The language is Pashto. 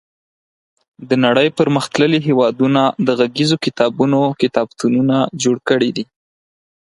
د نړۍ پرمختللي هېوادونو د غږیزو کتابونو کتابتونونه جوړ کړي دي.